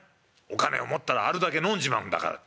お金を持ったらあるだけ飲んじまうんだから』」。